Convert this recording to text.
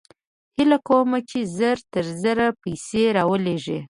هېله کوم چې زر تر زره پیسې راولېږې